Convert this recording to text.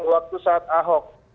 waktu saat ahok